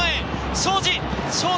庄司！